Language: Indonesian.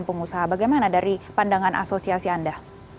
pengusaha bagaimana dari pandangan asosiasi anda